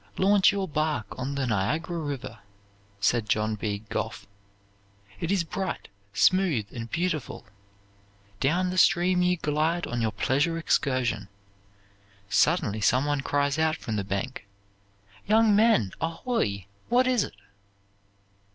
"Launch your bark on the Niagara River," said John B. Gough; "it is bright, smooth, and beautiful, Down the stream you glide on your pleasure excursion. Suddenly some one cries out from the bank, 'Young men, ahoy!' 'What is it?'